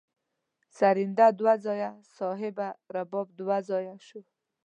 سرینده دوه ځایه صاحبه رباب دوه ځایه شو.